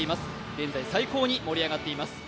現在最高に盛り上がっています。